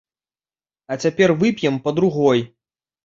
А цяпер вып'ем па другой!